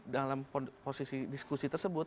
dalam posisi diskusi tersebut